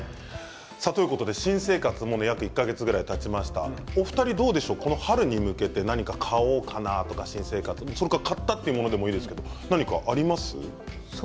新生活も１か月ぐらいたちましたが、お二人はどうでしょう春に向けて何か買おうかなとかそれから買ったというものでもいいですよ、ありますか。